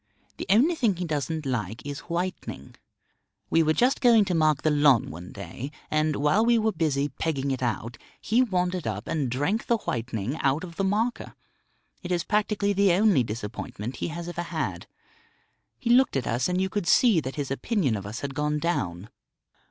The only thing he doesn't like is whitening. We were just going to mark the lawn one day, and while we were busy pegging it out he wandered up and drank the whitening out of the marker. It is practically the only disappointment he has ever had. He looked at us, and you could see that his opinion of us had gone down.